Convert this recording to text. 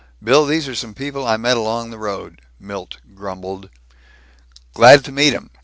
Bill, these are some people I met along the road," Milt grumbled. "Glad to meet 'em.